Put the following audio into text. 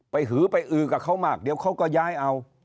หือไปอือกับเขามากเดี๋ยวเขาก็ย้ายเอา